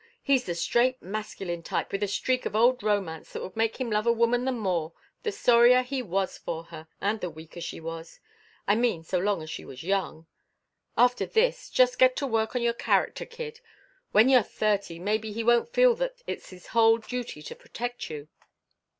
He's the straight masculine type with a streak of old romance that would make him love a woman the more, the sorrier he was for her, and the weaker she was I mean so long as she was young. After this, just get to work on your character, kid. When you're thirty maybe he won't feel that it's his whole duty to protect you.